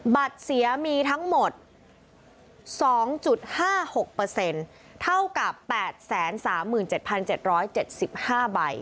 บัตรเสียมีทั้งหมดสองจุดห้าหกเปอร์เซ็นต์เท่ากับแปดแสนสามหมื่นเจ็ดพันเจ็ดร้อยเจ็ดสิบห้าใบ